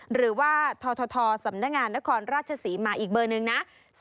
หรือว่าททสำนักงานนครราชศรีมาอีกเบอร์หนึ่งนะ